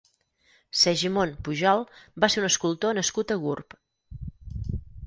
Segimon Pujol va ser un escultor nascut a Gurb.